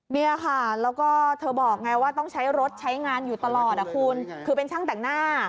เนี่ยค่ะแล้วก็เธอบอกไงว่าต้องใช้รถใช้งานอยู่ตลอดอ่ะคุณคือเป็นช่างแต่งหน้า